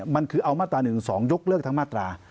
มันคือเอามาตรา๑๑๒ยกเลิกทั้งมาตรา